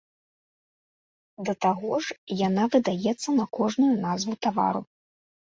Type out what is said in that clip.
Да таго ж, яна выдаецца на кожную назву тавару.